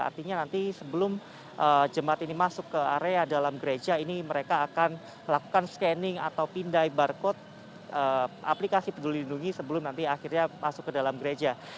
artinya nanti sebelum jemaat ini masuk ke area dalam gereja ini mereka akan melakukan scanning atau pindai barcode aplikasi peduli lindungi sebelum nanti akhirnya masuk ke dalam gereja